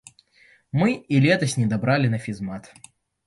Мы і летась недабралі на фізмат.